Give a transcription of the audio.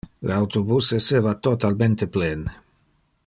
Le autobus esseva totalmente plen.